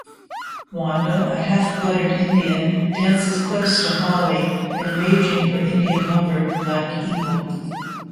Wanda, a half-blooded Indian, dances close to Hawley, enraging her Indian lover, Black Eagle.